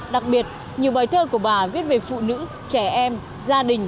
đặc biệt nhiều bài thơ của bà viết về phụ nữ trẻ em gia đình